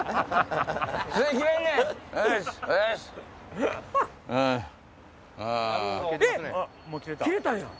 えっ⁉切れたやん！